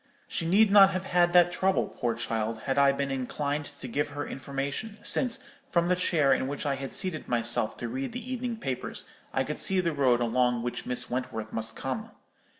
She need not have had that trouble, poor child, had I been inclined to give her information; since, from the chair in which I had seated myself to read the evening papers, I could see the road along which Miss Wentworth must come.